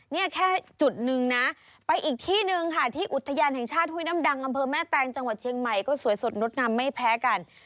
นี่แค่จุดนึงนะไปอีกที่หนึ่งค่ะที่อุทยานแห่งชาติห้วยน้ำดังอำเภอแม่แตงจังหวัดเชียงใหม่ก็สวยสดงดงามไม่แพ้กัน